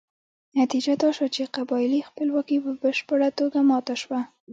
نتیجه دا شوه چې قبایلي خپلواکي په بشپړه توګه ماته شوه.